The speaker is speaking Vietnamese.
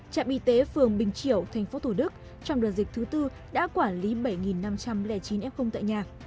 trạm y tế phường bình triểu thành phố thủ đức trong đợt dịch thứ bốn đã quản lý bảy năm trăm linh chín f tại nhà